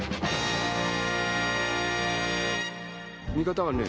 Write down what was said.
見方はね